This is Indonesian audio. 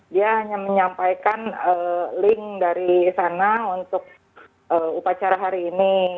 dia hanya menyampaikan link dari sana untuk upacara hari ini